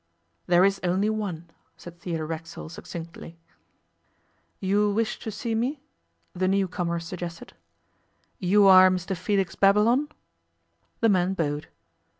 'There is only one,' said Theodore Racksole succinctly. 'You wish to see me?' the new comer suggested. 'You are Mr Felix Babylon?' The man bowed.